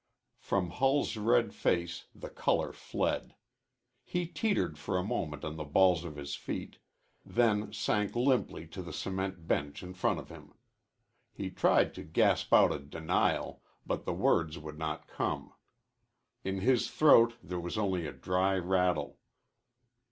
From Hull's red face the color fled. He teetered for a moment on the balls of his feet, then sank limply to the cement bench in front of him. He tried to gasp out a denial, but the words would not come. In his throat there was only a dry rattle.